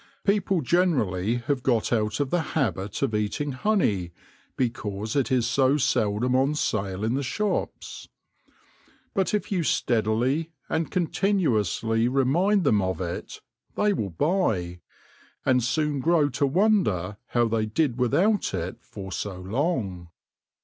People gene rally have got out of the habit of eating honey because it is so seldom on sale in the shops ; but if you steadily and continuously remind them of it, they will buy, and soon grow to wonder how they did without it for so long.